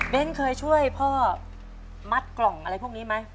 เคยช่วยพ่อมัดกล่องอะไรพวกนี้ไหม